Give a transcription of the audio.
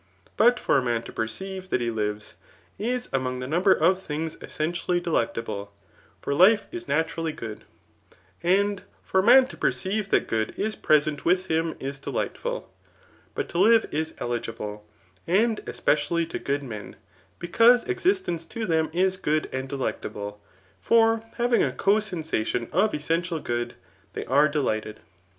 But for a man to perceive that he lives, is among the number of things essentially delecta ble; for life is naturally good. And for a man to per cdve that good is present with him is delightful. But to live is eligible, and especially to good men, because existence to them is good and delectable; for, having a co sensadon of essential good, they are delighted.